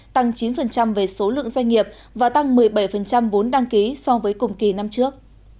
tăng chín về số lượng doanh nghiệp và tăng một mươi bảy vốn đăng ký so với cùng kỳ năm trước